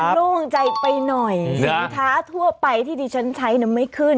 โล่งใจไปหน่อยสินค้าทั่วไปที่ดิฉันใช้ไม่ขึ้น